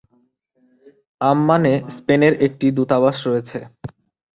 আম্মানে স্পেনের একটি দূতাবাস রয়েছে।